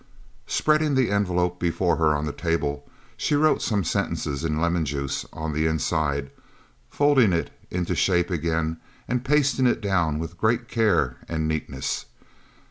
Spreading the envelope before her on the table, she wrote some sentences in lemon juice on the inside, folding it into shape again and pasting it down with great care and neatness.